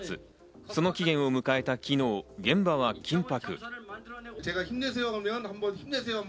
その期限を迎えた昨日、現場は緊迫。